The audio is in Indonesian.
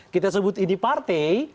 kita sebut ini partai